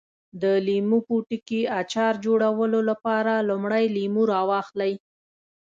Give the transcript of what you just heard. د لیمو پوټکي اچار جوړولو لپاره لومړی لیمو راواخلئ.